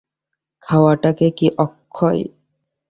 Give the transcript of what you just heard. খাওয়াটাও কি– অক্ষয়।